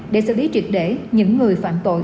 để xử lý triệt để những người phạm tội